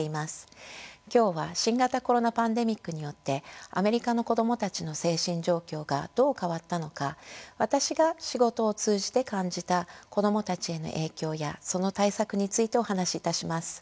今日は新型コロナパンデミックによってアメリカの子供たちの精神状況がどう変わったのか私が仕事を通じて感じた子供たちへの影響やその対策についてお話しいたします。